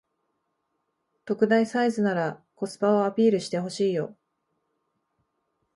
特大サイズならコスパをアピールしてほしいよ